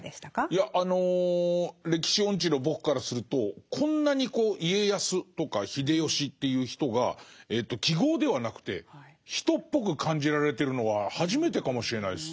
いやあの歴史音痴の僕からするとこんなに家康とか秀吉という人が記号ではなくて人っぽく感じられてるのは初めてかもしれないです。